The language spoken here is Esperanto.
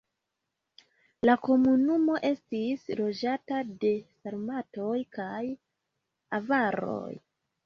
La komunumo estis loĝata de sarmatoj kaj avaroj.